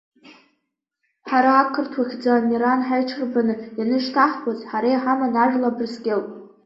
Ҳара ақырҭуа хьӡы Амеран ҳаиҽырбаны ианышьҭаҳхуаз, ҳара иҳаман ажәла Абрыскьыл.